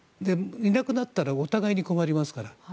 いなくなったらお互いに困りますから。